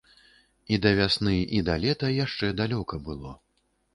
І да вясны і да лета яшчэ далёка было.